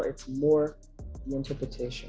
itu lebih banyak penelitian